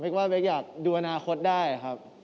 ว่าเป๊กอยากดูอนาคตได้ครับ